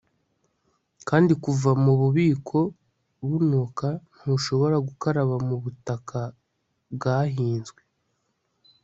Kandi kuva mububiko bunuka ntushobora gukaraba mubutaka bwahinzwe